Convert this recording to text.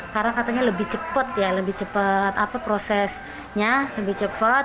karena katanya lebih cepat ya lebih cepat prosesnya lebih cepat